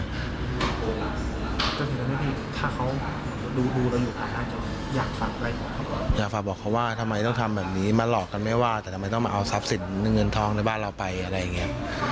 อยากฝากบอกเขาว่าทำไมต้องทำแบบนี้มาหลอกกันไม่ว่าแต่ทำไมต้องมาเอาทรัพย์สินเงินทองในบ้านเราไปอะไรอย่างนี้